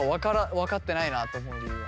分かってないなと思う理由は？